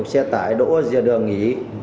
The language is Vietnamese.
xe tải đỗ dìa đường ý